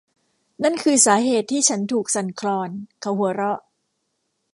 นั่นคือสาเหตุที่ฉันถูกสั่นคลอนเขาหัวเราะ